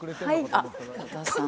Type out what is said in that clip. あっ小田さん。